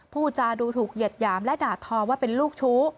ผู้จาดูถูกเหยียดหยามและด่าทอว่าเป็นลูกชู้